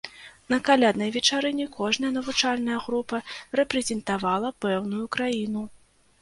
На каляднай вечарыне кожная навучальная група рэпрэзентавала пэўную краіну.